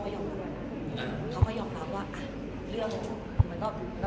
เพราะเค้าก็ยังโอเค